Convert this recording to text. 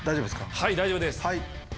はい大丈夫です。